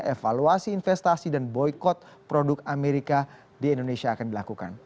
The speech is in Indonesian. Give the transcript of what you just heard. evaluasi investasi dan boykot produk amerika di indonesia akan dilakukan